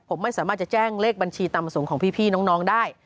ผมไม่สามารถจะแจ้งเลขบัญชีตามประสงค์ของพี่น้องได้